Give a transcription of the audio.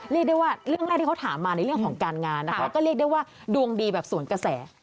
เรียกได้ว่าเรื่องแรกที่เขาถามมาในเรื่องของการงานนะคะก็เรียกได้ว่าดวงดีแบบสวนกระแส